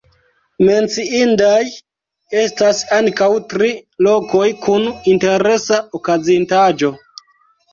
Menciindaj estas ankaŭ tri lokoj kun interesa okazintaĵo.